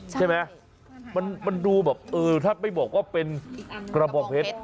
ใช่ไหมมันดูแบบเออถ้าไม่บอกว่าเป็นกระบองเพชร